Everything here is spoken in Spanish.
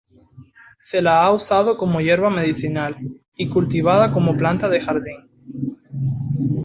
Se la ha usado como hierba medicinal, y cultivada como planta de jardín.